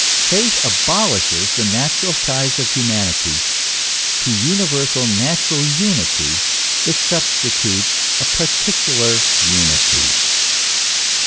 Faith abolishes the natural ties of humanity; to universal, natural unity, it substitutes a particular unity.